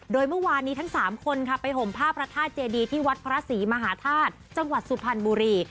โดยเมื่อวานนี้ทั้ง๓คนค่ะไปห่มผ้าพระธาตุเจดีที่วัดพระศรีมหาธาตุจังหวัดสุพรรณบุรี